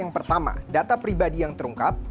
yang pertama data pribadi yang terungkap